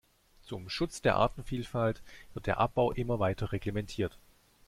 Zum Schutz der Artenvielfalt wird der Abbau immer weiter reglementiert.